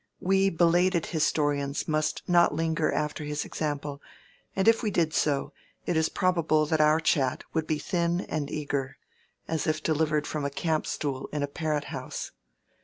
We belated historians must not linger after his example; and if we did so, it is probable that our chat would be thin and eager, as if delivered from a campstool in a parrot house.